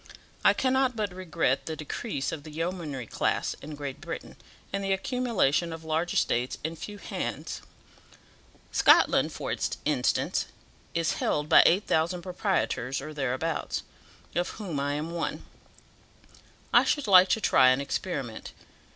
I cannot but regret the decrease of the yeomanry class in Great Britain, and the accumulation of large estates in few hands. Scotland, for instance, is held by 8000 proprietors or thereabouts, of whom I am one. I should like to try an experiment.